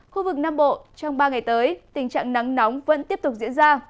khu vực nam bộ trong ba ngày tới tình trạng nắng nóng vẫn tiếp tục diễn ra